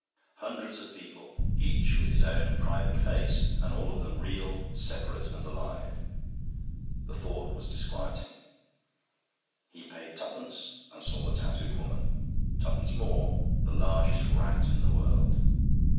Hundreds of people, each with his own private face and all of them real, separate, alive: the thought was disquieting. He paid twopence and saw the Tatooed Woman; twopence more, the Largest Rat in the World.